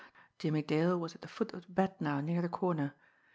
Jimmie Dale had the foot of the bed now near the corner.